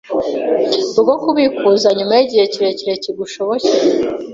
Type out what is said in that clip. bwo kubikuza nyuma y’igihe kirekire kigushobokeye.